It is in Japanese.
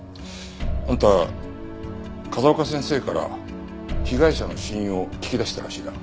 あんた風丘先生から被害者の死因を聞き出したらしいな。